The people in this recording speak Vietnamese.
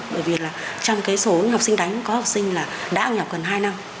bởi vì trong số học sinh đánh có học sinh đã học gần hai năm